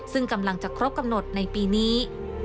ซึ่งกำลังจะครบกำหนดในปีนี้